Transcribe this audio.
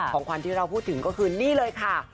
ของขวัญที่เราพูดถึงก็คือนี่เลยค่ะ